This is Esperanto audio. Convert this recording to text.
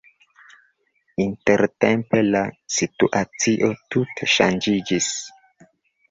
Intertempe la situacio tute ŝanĝiĝis.